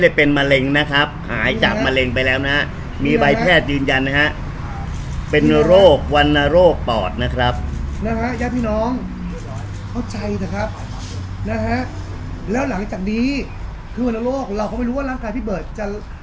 แล้วหลังจากนี้คือวันโลกเราเขาไม่รู้ว่าร่างกายพี่เบิร์ดจะ